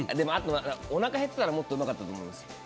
おなか減ってたら、もっとうまかったと思います。